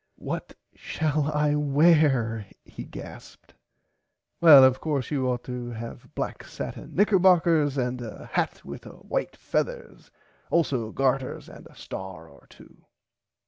What shall I weare he gasped. Well of course you ought to have black satin knickerbockers and a hat with white [Pg 63] feathers also garters and a star or two.